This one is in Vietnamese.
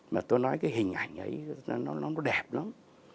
mà tôi nói cái hình ảnh ấy nó đẹp lắm